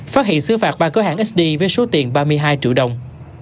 phát hiện xứ phạt ba cửa hàng sd với số tiền ba mươi hai triệu đồng